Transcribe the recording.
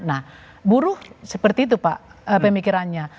nah buruh seperti itu pak pemikirannya